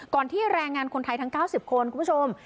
ที่แรงงานคนไทยทั้ง๙๐คนคุณผู้ชม